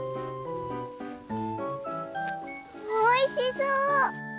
おいしそう！